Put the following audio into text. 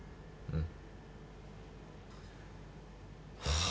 うん。